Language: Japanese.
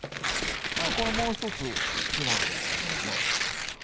これもう一つきな粉まぶしてやると。